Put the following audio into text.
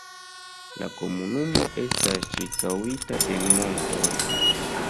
La komunumo estas ĉirkaŭita de montoj.